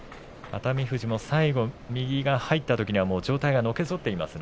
熱海富士、最後右が入ったときはのけぞっていました。